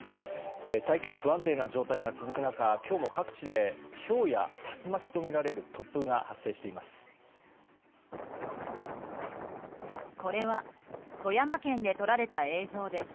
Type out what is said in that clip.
大気の不安定な状態が続く中、今日も各地でひょうや竜巻とみられる突風が発生しています。